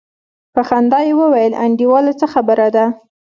په خندا يې وويل انډيواله څه خبره ده.